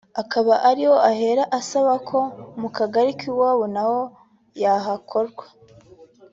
Akaba ariho ahera asaba ko mu kagari k’iwabo naho yahakorwa